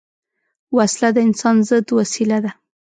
وسله د انسان ضد وسیله ده